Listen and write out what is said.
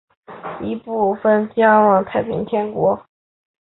一部分余部逃往镇江加入太平天国。